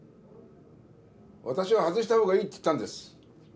わたしは外した方がいいって言ったんです。